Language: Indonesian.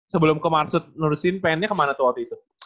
sebelum ke marsud nurusin pengennya kemana tuh waktu itu